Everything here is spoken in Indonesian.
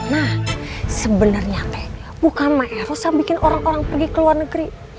nah sebenernya tuh bukan maeros yang bikin orang orang pergi ke luar negeri